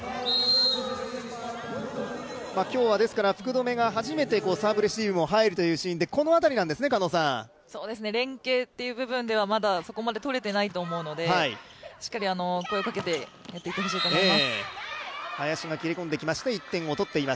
今日は福留が初めてサーブレシーブも入るというシーンで連係という部分ではまだそこまでとれていないと思うのでしっかり声をかけていってほしいと思います。